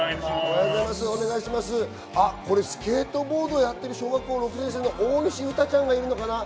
スケートボードやってる小学校６年生の大西嬉多ちゃんがいるのかな？